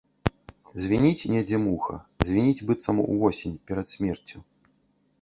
Звініць недзе муха, звініць, быццам увосень, перад смерцю.